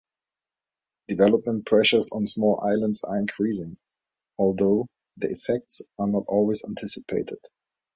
Development pressures on small islands are increasing, although their effects are not always anticipated.